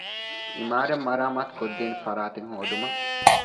ޢިމާރާތެއް މަރާމާތުކޮށްދޭނެ ފަރާތެއް ހޯދުމަށް